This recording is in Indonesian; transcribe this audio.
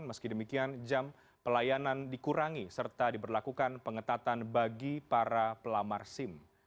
meski demikian jam pelayanan dikurangi serta diberlakukan pengetatan bagi para pelamar sim